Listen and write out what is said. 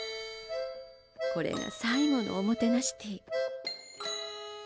これが最後のおもてなしティー。